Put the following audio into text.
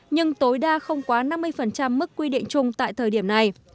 nhưng tối đa không quá năm mươi mức quy định chung tại thời điểm này